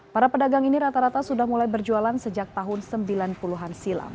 para pedagang ini rata rata sudah mulai berjualan sejak tahun sembilan puluh an silam